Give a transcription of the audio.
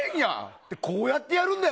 こうやってやるんだよ